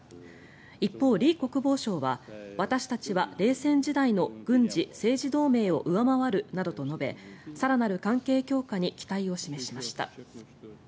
一方、リ国防相は私たちは冷戦時代の軍事・政治同盟を上回るなどと述べ更なる関係強化に期待を示しました。